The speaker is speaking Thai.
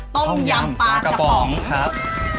ต้มยำปลากระป๋องครับ